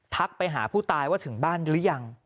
ไปหาผู้ตายว่าถึงบ้านหรือยัง